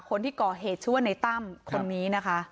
คนที่ก่อเหตุชื่อในตั้งคนนี้